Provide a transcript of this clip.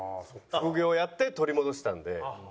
副業やって取り戻したんで。